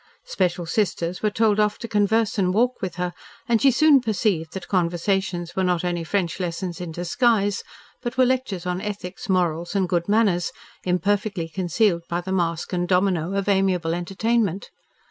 Special Sisters were told off to converse and walk with her, and she soon perceived that conversations were not only French lessons in disguise, but were lectures on ethics, morals, and good manners, imperfectly concealed by the mask and domino of amiable entertainment.